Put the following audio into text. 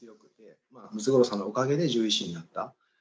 ムツゴロウさんのおかげで獣医師になった。